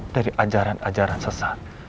dari ajaran ajaran sesat